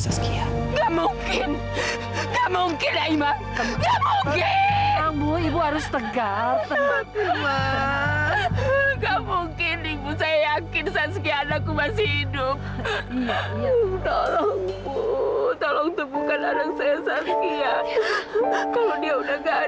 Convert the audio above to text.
sampai jumpa di video selanjutnya